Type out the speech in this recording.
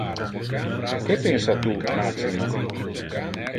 Que pensa tu, Maximo?